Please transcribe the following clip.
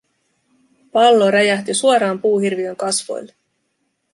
Pallo räjähti suoraan puuhirviön kasvoille.